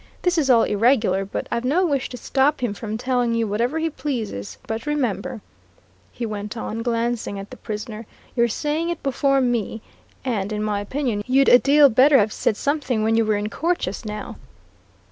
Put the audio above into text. This is all irregular, but I've no wish to stop him from telling you whatever he pleases. But remember," he went on, glancing at the prisoner, "you're saying it before me and in my opinion, you'd a deal better have said something when you were in court just now."